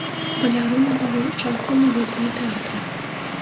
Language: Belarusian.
Валярына даволі часта наведвае тэатры.